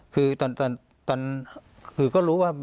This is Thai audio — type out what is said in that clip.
คือก็รู้ว่า